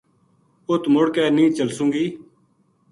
اُت مُڑ کے نیہہ چلسوں گی